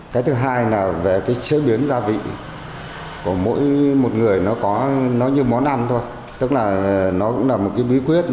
cái thứ hai là về cái chế biến gia vị của mỗi một người nó có nó như món ăn thôi tức là nó cũng là một cái bí quyết